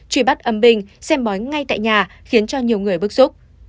truy bắt âm bình xem bói ngay tại nhà khiến cho nhiều người bức xúc